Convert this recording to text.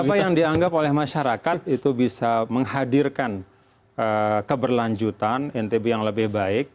apa yang dianggap oleh masyarakat itu bisa menghadirkan keberlanjutan ntb yang lebih baik